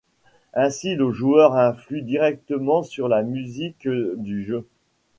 Ainsi le joueur influe directement sur la musique du jeu.